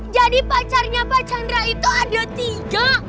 jadi pacarnya pak chandra itu ada tiga